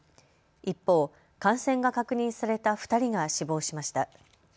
一方、感染が確認された２人が死亡しました。